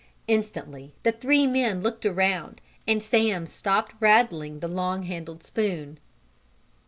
Instantly the three men looked around, and Sam stopped rattling the long handled spoon.